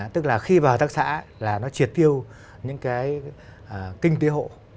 tức là khi vào hợp tác xã là nó triệt tiêu những cái kinh tế hộ